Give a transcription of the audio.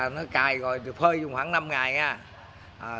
nó cài rồi thì phơi dùng khoảng năm ngày nha